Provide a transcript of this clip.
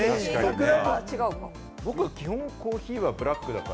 僕、コーヒーはブラックだか